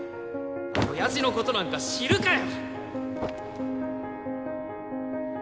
親父のことなんか知るかよ！